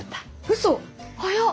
うそ早っ！